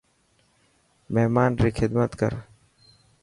مهمان ري خدمت ڪر.